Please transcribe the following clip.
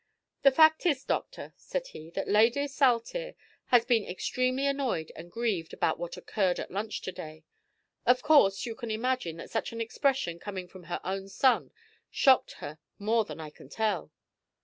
"The fact is, doctor," said he, "that Lady Saltire has been extremely annoyed and grieved about what occurred at lunch to day. Of course, you can imagine that such an expression coming from her own son, shocked her more than I can tell."